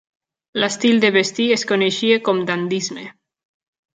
L'estil de vestir es coneixia com dandisme.